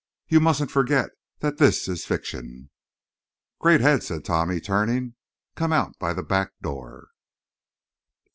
"You mustn't forget that this is fiction." "Great head!" said Tommy, turning. "Come out by the back door."